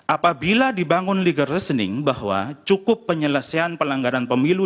apabila dibangun legal reasoning bahwa cukup penyelesaian pelanggaran pemilu